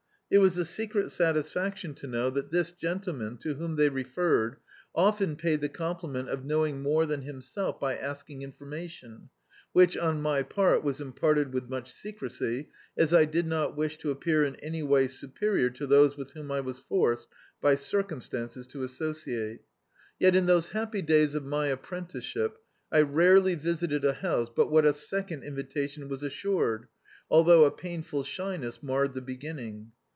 It was a secret satisfaction to know D,i.,.db, Google The Autobiography of a Super Tramp that this gentleman to whom they referred, often paid the compliment of knowing more than himself by asking information, which, on my part, was im parted with much secrecy, as I did not wish to ap pear in any way superior to those with whom I was forced by circumstances to associate. Yet, in those happy days of my apprenticeship, I rarely visited a house but what a second invitation was assured, although a painful shyness marred the beginning.